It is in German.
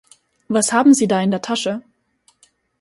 Was haben Sie da in der Tasche?